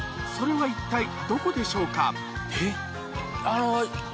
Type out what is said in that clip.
それは一体どこでしょうか？